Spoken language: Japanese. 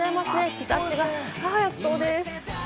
日差しが暑そうです。